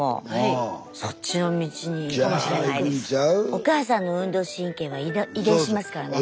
お母さんの運動神経は遺伝しますからね。